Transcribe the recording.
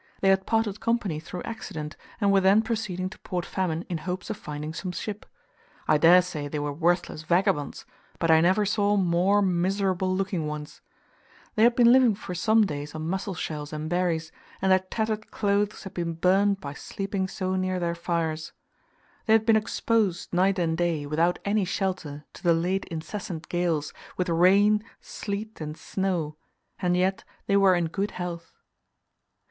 They had parted company through accident, and were then proceeding to Port Famine in hopes of finding some ship. I dare say they were worthless vagabonds, but I never saw more miserable looking ones. They had been living for some days on mussel shells and berries, and their tattered clothes had been burnt by sleeping so near their fires. They had been exposed night and day, without any shelter, to the late incessant gales, with rain, sleet, and snow, and yet they were in good health.